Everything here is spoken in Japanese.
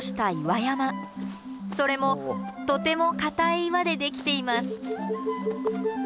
それもとても硬い岩でできています。